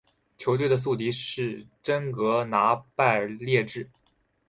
球队的宿敌是真格拿拜列治。